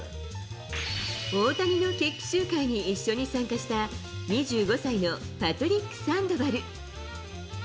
大谷の決起集会に一緒に参加した２５歳のパトリック・サンドバル。